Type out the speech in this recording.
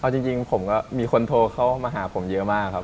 เอาจริงผมก็มีคนโทรเข้ามาหาผมเยอะมากครับ